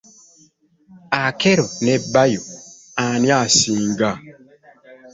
Akello ne Bayo ani asinga?